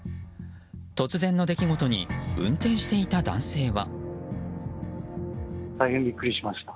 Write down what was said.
突然の出来事に運転していた男性は。